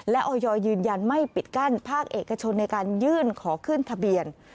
และออยยืนยันไม่ปิดกั้นภาคเอกชนในการยื่นขอขึ้นทะเบียน